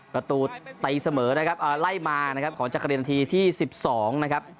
ประตูไล่มาของจักรินนาทีที่๑๒นะครับ